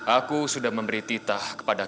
aku sudah memberi titah kepada